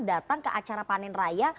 datang ke acara panen raya